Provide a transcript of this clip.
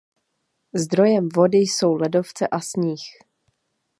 Zdrojem vody jsou ledovce a sníh.